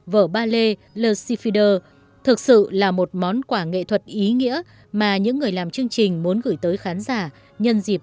vở ballet le ciffideur thực sự là một món quả nghệ thuật ý nghĩa mà những người làm chương trình muốn gửi tới khán giả nhân dịp đầu xuân mới